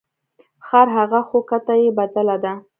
خر هغه خو کته یې بدله ده.